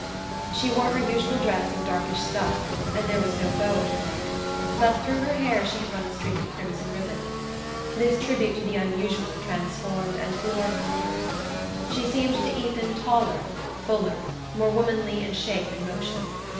She wore her usual dress of darkish stuff, and there was no bow at her neck; but through her hair she had run a streak of crimson ribbon. This tribute to the unusual transformed and glorified her. She seemed to Ethan taller, fuller, more womanly in shape and motion.